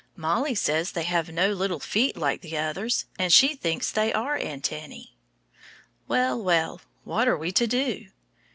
Mollie says they have no little feet like the others, and she thinks they are antennæ. Well, well, what are we to do?